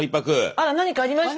あら何かありました？